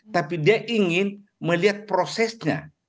tapi dia ingin melihat prosesnya